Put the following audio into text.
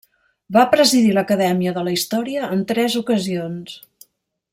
Va presidir l'Acadèmia de la Història en tres ocasions.